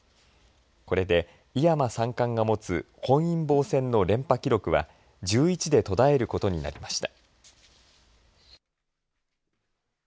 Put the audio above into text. これで井山三冠が持つ本因坊戦の連覇記録は１１で途絶えることになりました。